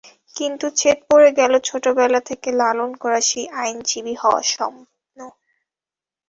কিন্তু ছেদ পড়ে গেল ছোটবেলা থেকে লালন করা সেই আইনজীবী হওয়ার স্বপ্ন।